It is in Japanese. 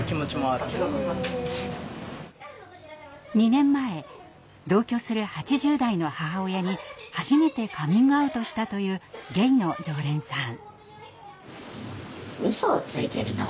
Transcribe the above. ２年前同居する８０代の母親に初めてカミングアウトしたというゲイの常連さん。